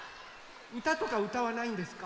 うたとかうたわないんですか？